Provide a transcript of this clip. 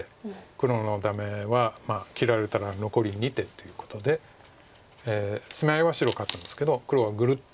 黒のダメは切られたら残り２手ということで攻め合いは白勝つんですけど黒はグルッと。